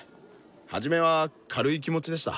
初めは軽い気持ちでした。